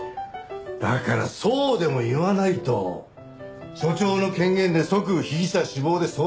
だからそうでも言わないと署長の権限で即被疑者死亡で送検される！